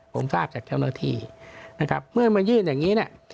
ผมทราบจากเจ้าหน้าที่นะครับเมื่อมายื่นอย่างนี้เนี่ย